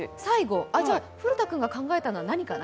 じゃあ、古田君が考えたのは何かな？